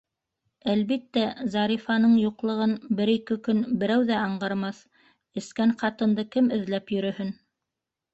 Әлбиттә, Зарифаның юҡлығын бер-ике көн берәү ҙә аңғармаҫ - эскән ҡатынды кем эҙләп йөрөһөн?